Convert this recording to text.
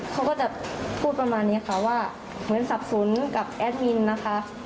เขาก็จะพูดประมาณนี้ค่ะว่าเหมือนสับสนกับแอดมินนะคะ